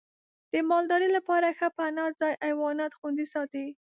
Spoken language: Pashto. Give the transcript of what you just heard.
د مالدارۍ لپاره ښه پناه ځای حیوانات خوندي ساتي.